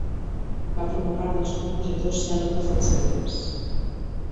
Va formar part dels compositors cèlebres del seu temps.